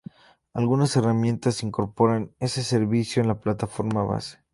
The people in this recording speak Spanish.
Algunas herramientas incorporan este servicio en la plataforma base.